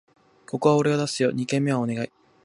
ここは俺出すよ！二軒目はお願い